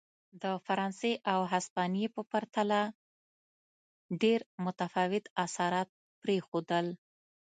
د فرانسې او هسپانیې په پرتله ډېر متفاوت اثرات پرېښودل.